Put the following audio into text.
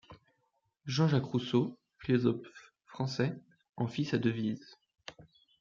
Jean-Jacques Rousseau, philosophe français, en fit sa devise.